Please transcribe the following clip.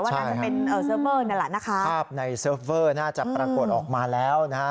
น่าจะเป็นเอ่อเซิร์ฟเวอร์นั่นแหละนะคะภาพในเซิร์ฟเวอร์น่าจะปรากฏออกมาแล้วนะฮะ